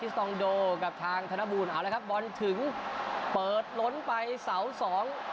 สตองโดกับทางธนบูลเอาละครับบอลถึงเปิดล้นไปเสาสอง